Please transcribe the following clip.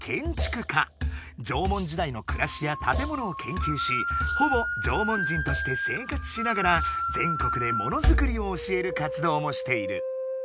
縄文時代のくらしやたてものをけんきゅうしほぼ縄文人として生活しながら全国でもの作りを教える活動もしている。